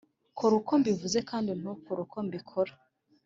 kora uko mbivuze, kandi ntukore uko mbikora